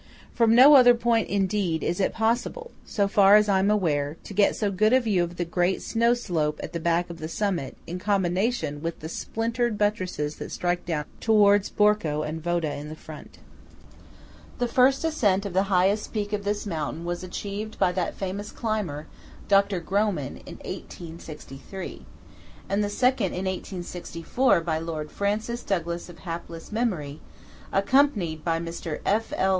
From no other point, indeed, is it possible, so far as I am aware, to get so good a view of the great snow slope at the back of the summit in combination with the splintered buttresses that strike down towards Borco and Vodo in the front. The first ascent of the highest peak of this mountain was achieved by that famous climber, Dr. Grohmann, in 1863; and the second in 1864 by Lord Francis Douglas of hapless memory, accompanied by Mr. F. L.